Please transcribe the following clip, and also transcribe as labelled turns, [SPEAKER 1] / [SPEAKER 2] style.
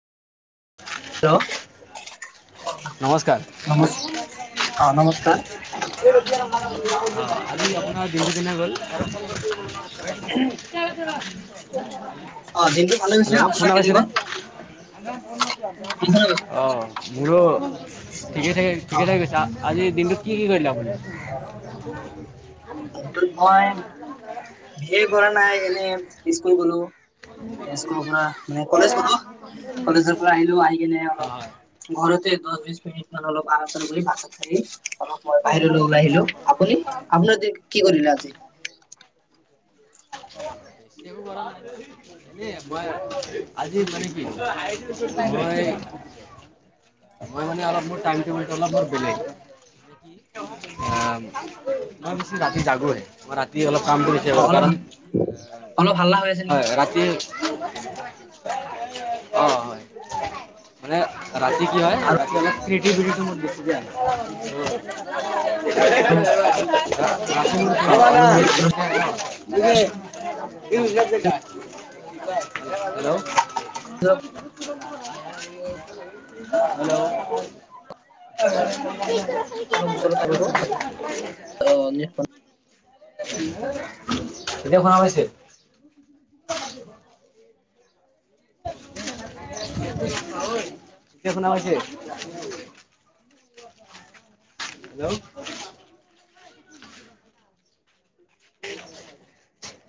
[SPEAKER 1] Hello নমস্
[SPEAKER 2] অ আজি আপোনাৰ দিনটো কেনে গ'ল [unintelligible]
[SPEAKER 1] অ দিনটো ভালে গৈছে
[SPEAKER 2] হেল্ল'
[SPEAKER 1] আপোনাৰ
[SPEAKER 2] শুনা
[SPEAKER 1] কেনে
[SPEAKER 2] পাইছেনে
[SPEAKER 1] গ'ল অ মই
[SPEAKER 2] অ মোৰো ঠিকে থাকে ঠিকে থাকে গৈছে আজিৰ দিনটোত কি কি কৰিলা তুমি?
[SPEAKER 1] সেই কৰা নাই এনে স্কুল গলো। স্কুলৰ পৰা মানে কলেজ গলো কলেজৰ পৰা আহিলো আহি কিনে
[SPEAKER 2] হয়
[SPEAKER 1] অলপ ঘৰতে দহ বিশছ মিনিটমান অলপ আৰাম চাৰাম কৰি ভাত চাত খাই অলপ সময় বাহিৰলৈ ওলাই আহিলো, আপুনি? আপোনাৰ দি কি কৰিলে আজি? [inaudible]
[SPEAKER 2] [unintelligible] ব আজি বাৰ কি [unintelligible] মই মানে অলপ মোৰ টাইম টেবুল টো অলপ বেলেগ অ মই বেছি ৰাতি জাগোহে মই ৰাতি অলপ কাম কৰিছে
[SPEAKER 1] অ
[SPEAKER 2] বাৰু
[SPEAKER 1] অলপ
[SPEAKER 2] কাৰণ
[SPEAKER 1] অলপ হাল্লা হৈ আছে নেকি
[SPEAKER 2] হয় ৰাতি অ হয় মানে ৰাতি কি হয়
[SPEAKER 1] আৰু
[SPEAKER 2] ৰাতি অলপ ক্সিয়েতিবিলিতি টো বেছি
[SPEAKER 1] অ অলপ
[SPEAKER 2] আহে [unintelligible] [unintelligible] [unintelligible] হেল্ল'
[SPEAKER 1] অলপ
[SPEAKER 2] [unintelligible] [unintelligible] হেল্ল
[SPEAKER 1] ওচৰত
[SPEAKER 2] [unintelligible]
[SPEAKER 1] আহিব
[SPEAKER 2] [inaudible] [unintelligible] এতিয়া শুনা পাইছে [unintelligible] ঐ এতিয়া শুনা পাইছে [unintelligible] হেল্ল' [unintelligible]